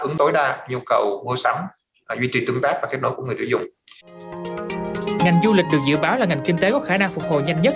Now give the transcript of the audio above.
ngành du lịch được dự báo là ngành kinh tế có khả năng phục hồi nhanh nhất